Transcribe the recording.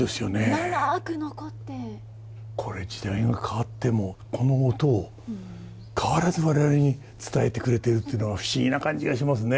これ時代が変わってもこの音を変わらず我々に伝えてくれているっていうのは不思議な感じがしますね。